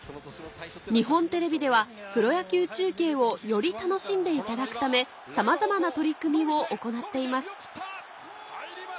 日本テレビではプロ野球中継をより楽しんでいただくためさまざまな取り組みを行っています